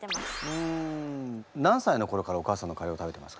ふん何歳のころからお母さんのカレーを食べてますかね？